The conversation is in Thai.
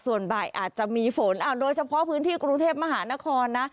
ส่วนบ่ายอาจจะมีฝนโดยเฉพาะพื้นที่กรุงเทพมหานครนะ